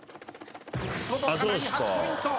届かない８ポイント。